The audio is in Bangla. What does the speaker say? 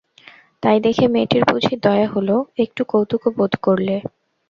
তাই দেখে মেয়েটির বুঝি দয়া হল, একটু কৌতুকও বোধ করলে।